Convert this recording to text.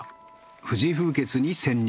富士風穴に潜入！